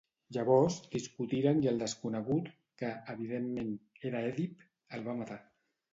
Llavors, discutiren i el desconegut, que, evidentment, era Èdip, el va matar.